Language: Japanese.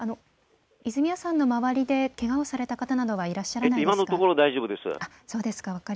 泉谷さんの周りでけがをされた方などはいらっしゃらないですか。